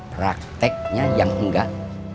prakteknya yang enggak